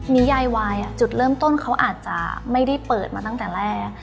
นิยายวายจุดเริ่มต้นเขาอาจจะไม่ได้เปิดมาตั้งแต่แรก